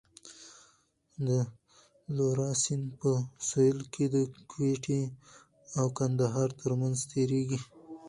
د لورا سیند په سوېل کې د کویټې او کندهار ترمنځ تېرېږي.